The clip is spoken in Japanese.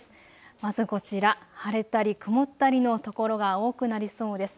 まずこちら晴れたり曇ったりの所が多くなりそうです。